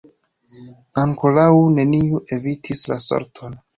Ankoraŭ neniu evitis la sorton.